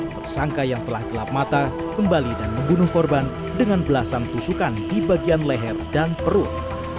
tersangka yang telah gelap mata kembali dan membunuh korban dengan belasan tusukan di bagian leher dan perut